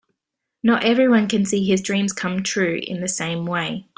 Not everyone can see his dreams come true in the same way.